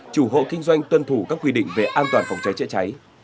chủ hộ kinh doanh tuân thủ các quy định về an toàn phòng cháy chữa cháy